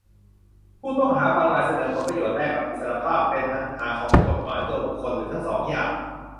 ผู้ต้องหาบางรายเสนอผลประโยชน์แลกกับอิสรภาพ เป็นปัญหาของกฎหมาย ตัวบุคคล หรือทั้งสองอย่าง